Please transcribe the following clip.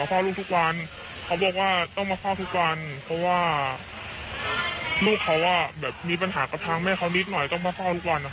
เพราะว่าลูกเขามีปัญหากับทางแม่เขานิดหน่อยต้องพ่อเข้าทุกวัน